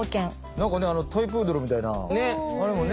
何かねトイプードルみたいな。ね？